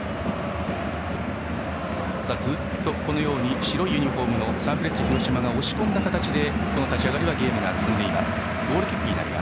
ずっとこのように白いユニフォームのサンフレッチェ広島が押し込むような形で立ち上がりはゲームが進んでいます。